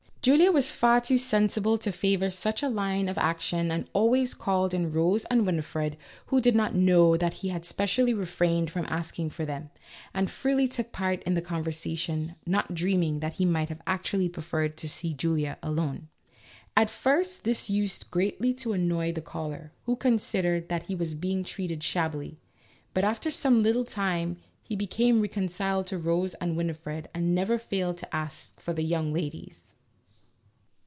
Julia was far too sensible to favor such a line of action and always called in Rose and Winifred, who did not know that he had specially refrained from asking for them, and freely took part in the conver sation, not dreaming that he might have actually preferred to see Julia alone. At first, this used A LITTLE STUDY IN COMMON SENSE. 8? greatly to annoy the caller, who considered that he was being treated shabbily, but, after some little time, he became reconciled to Rose and Winifred and never failed to ask for the " young ladies."